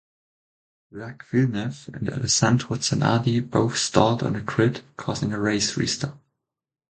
Jacques Villeneuve and Alessandro Zanardi both stalled on the grid causing a race restart.